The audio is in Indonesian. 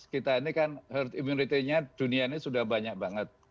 kita ini kan herd immunity nya dunia ini sudah banyak banget